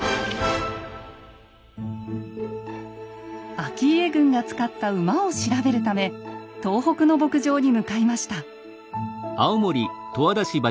顕家軍が使った馬を調べるため東北の牧場に向かいました。